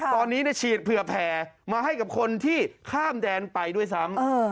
ตอนนี้ฉีดเผื่อแผ่มาให้กับคนที่ข้ามแดนไปด้วยซ้ำ